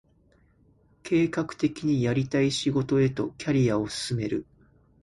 計画的にやりたい仕事へとキャリアを進める